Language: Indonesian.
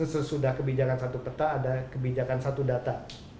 sesudah kebijakan satu peta ada kebijakan satu data